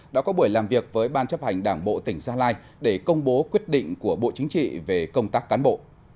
đã có buổi làm việc với ban chấp hành đảng bộ tỉnh gia lai để công bố quyết định của bộ chính trị về công tác cán bộ